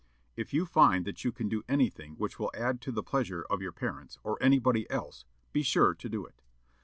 If you find that you can do anything which will add to the pleasure of your parents, or anybody else, be sure to do it.